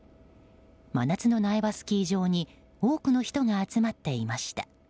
真夏の苗場スキー場に多くの人が集まっていました。